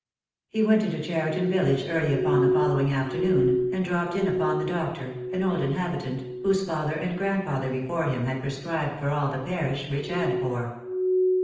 He went into Cheriton village early upon the follow ing afternoon, and dropped in upon the doctor, an old inhabitant, whose father and grandfather before him had prescribed for all the parish, rich and poor.